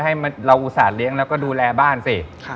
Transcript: ให้เราอุตส่าหเลี้ยงแล้วก็ดูแลบ้านสิ